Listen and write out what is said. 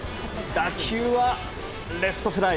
打球はレフトフライ。